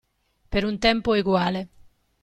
Per un tempo eguale.